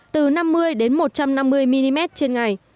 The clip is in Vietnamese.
từ năm mươi đến một trăm năm mươi mm trên ngày